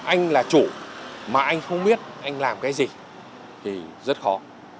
anh là chủ mà anh không biết anh làm cái gì thì rất khó